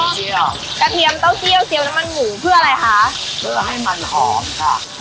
เต้าเจียวเจียวเจียวน้ำมันหมูเพื่ออะไรคะ